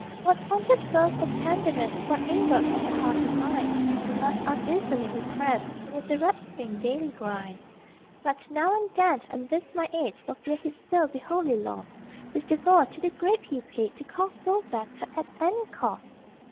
What funded wealth of tenderness, What ingots of the heart and mind He must uneasily repress Beneath the rasping daily grind. But now and then, and with my aid, For fear his soul be wholly lost, His devoir to the grape he paid To call soul back, at any cost!